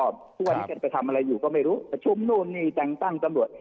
ทุกวันนี้กันไปทำอะไรอยู่ก็ไม่รู้ประชุมนู่นนี่แต่งตั้งตำรวจ